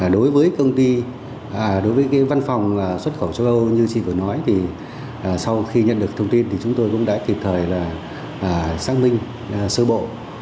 đối với công ty đối với văn phòng xuất khẩu châu âu như chị vừa nói thì sau khi nhận được thông tin thì chúng tôi cũng đã kịp thời là xác minh sơ bộ